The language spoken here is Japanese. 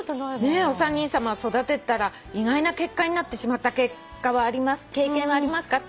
「お三人さまは育てたら意外な結果になってしまった経験ありますか？」